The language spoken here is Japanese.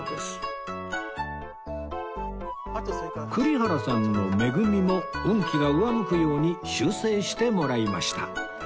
栗原さんの「恵」も運気が上向くように修整してもらいました